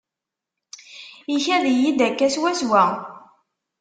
Ikad-iyi-d akka swaswa.